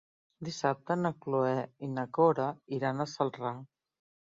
Dissabte na Cloè i na Cora iran a Celrà.